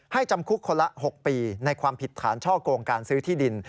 จำคุกคนละ๖ปีในความผิดฐานช่อกงการซื้อที่ดิน